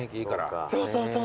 そうそうそうそう。